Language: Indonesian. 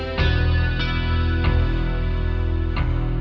kamu udah akhirnya wendy